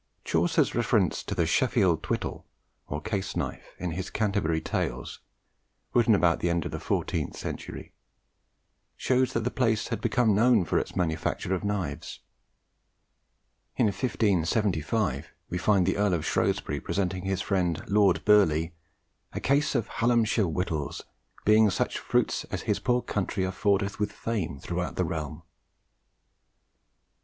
Chaucer's reference to the 'Sheffield thwytel' (or case knife) in his Canterbury Tales, written about the end of the fourteenth century, shows that the place had then become known for its manufacture of knives. In 1575 we find the Earl of Shrewsbury presenting to his friend Lord Burleigh "a case of Hallamshire whittells, being such fruites as his pore cuntrey affordeth with fame throughout the realme."